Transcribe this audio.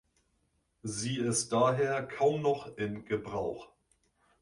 Sie ist daher kaum noch in Gebrauch.